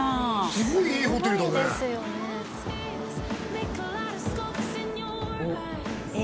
すごいいいホテルだねえ